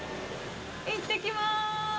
行ってきます。